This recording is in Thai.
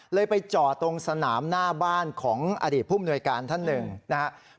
ไปจอดตรงสนามหน้าบ้านของอดีตผู้มนวยการท่านหนึ่งนะครับ